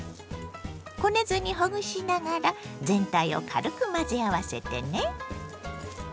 こねずにほぐしながら全体を軽く混ぜ合わせてね。